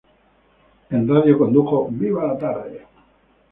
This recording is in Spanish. En radio condujo "Viva la Tarde".